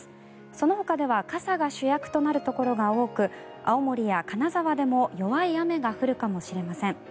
そのほかでは傘が主役となるところが多く青森や金沢でも弱い雨が降るかもしれません。